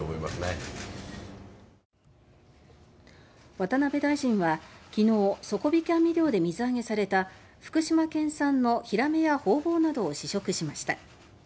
渡辺大臣は昨日底引き網漁で水揚げされた福島県産のヒラメやホウボウなどを試食しました。